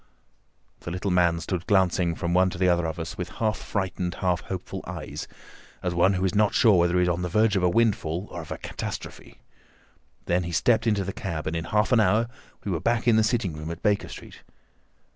The little man stood glancing from one to the other of us with half frightened, half hopeful eyes, as one who is not sure whether he is on the verge of a windfall or of a catastrophe. Then he stepped into the cab, and in half an hour we were back in the sitting room at Baker Street.